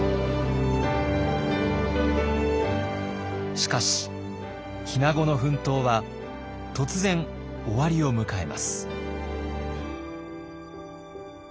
しかし日名子の奮闘は突然終わりを迎えます。